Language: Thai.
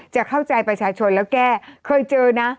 จะเข้าใจประชาชนแล้วแก้เคยเจอนะ